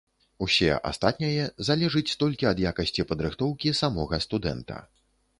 Усе астатняе залежыць толькі ад якасці падрыхтоўкі самога студэнта.